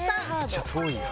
「めっちゃ遠いな」